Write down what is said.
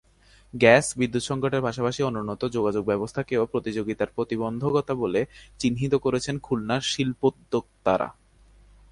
Gas, বিদ্যুৎ-সংকটের পাশাপাশি অনুন্নত যোগাযোগব্যবস্থাকেও প্রতিযোগিতার প্রতিবন্ধকতা বলে চিহ্নিত করেছেন খুলনার শিল্পোদ্যোক্তারা।